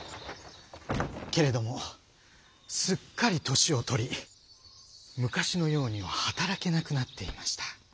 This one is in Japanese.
けれどもすっかりとしをとりむかしのようにははたらけなくなっていました。